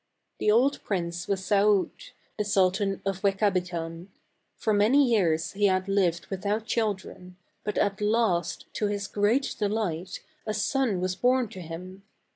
The old prince was Saaud, the sultan of Wech abitan. For many years he had lived without children, but at last, to his great delight, a son was born to him.